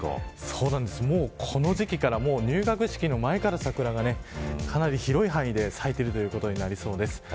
もうこの時期から入学式の前から桜が、かなり広い範囲で咲いていることになりそうです。